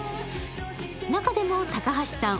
中でも高橋さん